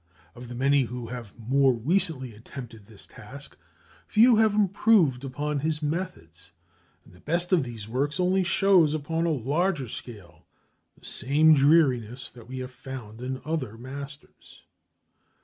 Of the many who have more recently attempted his task, few have improved upon his methods; and the best of these works only shows upon a larger scale the same dreariness that we have found in other masters.